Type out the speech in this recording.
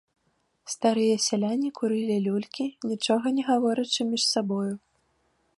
Старыя сяляне курылі люлькі, нічога не гаворачы між сабою.